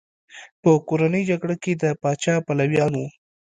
په کورنۍ جګړه کې د پاچا پلویان وو.